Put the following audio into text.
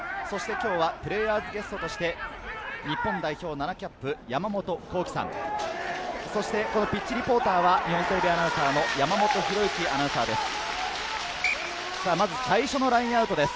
今日はプレーヤーズゲストとして、日本代表７キャップ山本幸輝さん、そして、ピッチリポーターは日本テレビアナウンサーの山本紘之アナウンサーです。